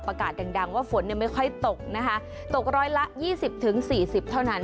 ประกาศดังดังว่าฝนเนี่ยไม่ค่อยตกนะคะตกร้อยละยี่สิบถึงสี่สิบเท่านั้น